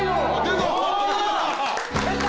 出た！